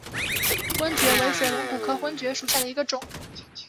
盾蕨为水龙骨科盾蕨属下的一个种。